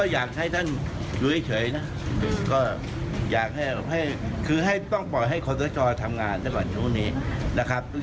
อยากให้ท่านดูเฉยนะคือปล่อยขอสชทำงานตั้งแหวะช่วงนี้นะครับ